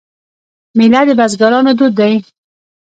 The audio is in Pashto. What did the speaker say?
میله د بزګرانو دود دی.